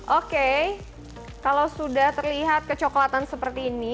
oke kalau sudah terlihat kecoklatan seperti ini